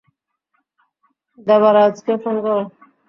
দেবারাজকে phone করো।